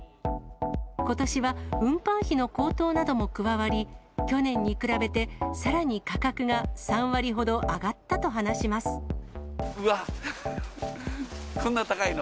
ことしは運搬費の高騰なども加わり、去年に比べてさらに価格が３うわっ、こんな高いの？